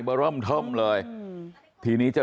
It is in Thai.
สวัสดีครับคุณผู้ชาย